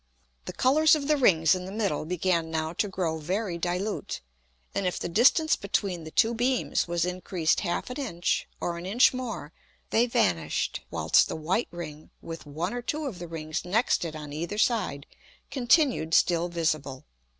The Colours of the Rings in the middle began now to grow very dilute, and if the distance between the two Beams was increased half an Inch, or an Inch more, they vanish'd whilst the white Ring, with one or two of the Rings next it on either side, continued still visible.